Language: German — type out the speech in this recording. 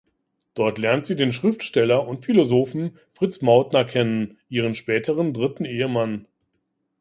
Dort lernt sie den Schriftsteller und Philosophen Fritz Mauthner kennen, ihren späteren dritten Ehemann.